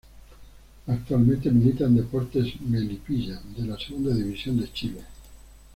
Actualmente milita en Deportes Melipilla de la Segunda División de Chile.